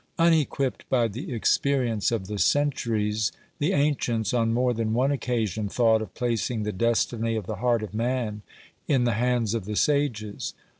Unequipped by the experience of the centuries, the ancients, on more than one occasion, thought of placing the destiny of the heart of man in the hands of the sages.